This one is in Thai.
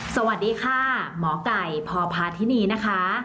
สวัสดีค่ะหมอไก่พอภาษณ์ที่นี่นะคะ